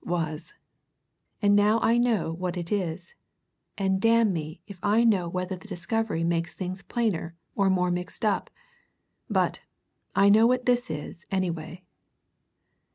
was. And now I know what it is and damn me if I know whether the discovery makes things plainer or more mixed up! But I know what this is, anyway."